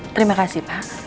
terima kasih pak